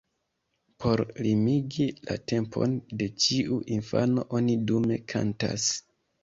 Por limigi la tempon de ĉiu infano oni dume kantas.